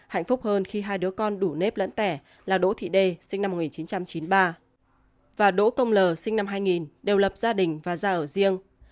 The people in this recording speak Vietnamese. hạnh phúc hơn khi hai đứa con đủ nếp lẫn tẻ là đỗ thị đê sinh năm một nghìn chín trăm chín mươi ba và đỗ công l sinh năm hai nghìn đều lập gia đình và ra ở riêng